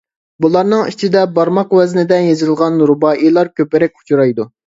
بۇلارنىڭ ئىچىدە بارماق ۋەزىندە يېزىلغان رۇبائىيلار كۆپرەك ئۇچرايدۇ.